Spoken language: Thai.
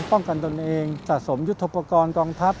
ป้องกันตนเองสะสมยุทธปากรองทัพ